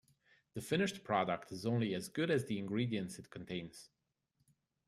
The finished product is only as good as the ingredients it contains.